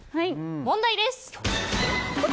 問題です。